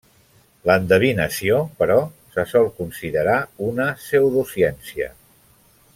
L'endevinació, però, se sol considerar una pseudociència.